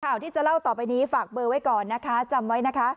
ข่าวที่จะเล่าต่อไปนี้ฝากเบอร์ไว้ก่อนนะคะจำไว้นะคะ